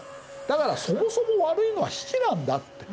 だからそもそも悪いのは比企なんだ」って。